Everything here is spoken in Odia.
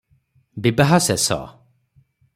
ବିବାହ ଶେଷ ।